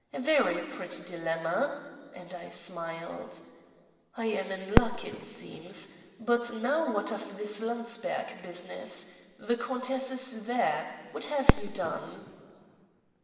A very pretty dilemma," and I smiled. "I am in luck, it seems. But now what of this Landsberg business? The countess is there. What have you done?"